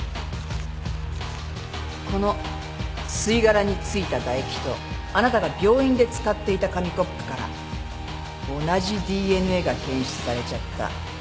この吸い殻に付いた唾液とあなたが病院で使っていた紙コップから同じＤＮＡが検出されちゃった。